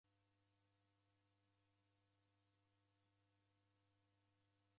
Serikali eagha soko mbishi mzedu.